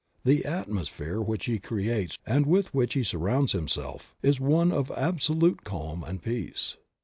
The atmosphere which he creates and with which he surrounds himeslf is one of absolute calm and peace.